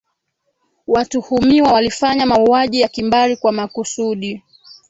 watuhumiwa walifanya mauaji ya kimbari kwa makusudi